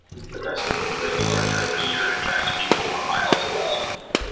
The festival grows larger every year and attracts people from miles away.